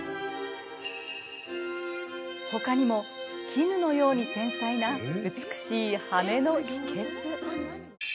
ほかにも絹のように繊細な美しい羽根の秘けつ！